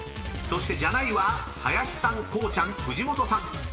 ［そしてジャナイは林さんこうちゃん藤本さん］